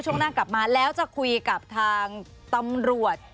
ช่วงหน้ากลับมาแล้วจะคุยกับทางตำรวจ